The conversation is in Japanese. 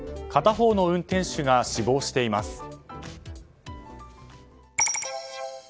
片方の運転手が死亡しています。